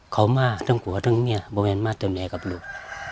เขามากทั้งขัวทั้งเมียบ้าแมนมากเต็มแนกับลูก